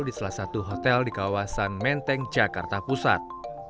di salah satu hotel di kawasan menteng jakarta pusat